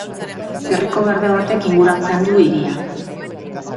Gerriko berde batek inguratzen du hiria.